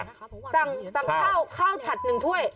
สั่งข้าวข้าวถัด๑ถ้วย